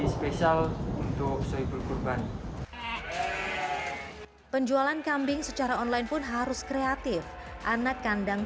spesial untuk sahibur kurban penjualan kambing secara online pun harus kreatif anak kandang